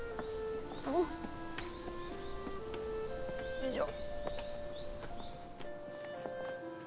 よいしょ